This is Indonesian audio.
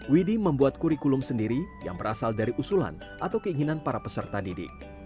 widhi membuat kurikulum sendiri yang berasal dari usulan atau keinginan para peserta didik